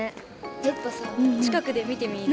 ちょっとさ近くで見てみる？